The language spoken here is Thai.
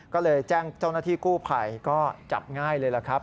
ก็เลยแจ้งเจ้าหน้าที่กู้ภัยก็จับง่ายเลยล่ะครับ